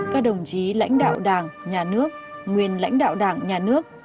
các đồng chí lãnh đạo đảng nhà nước nguyên lãnh đạo đảng nhà nước